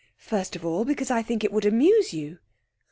'First of all, because I think it would amuse you.'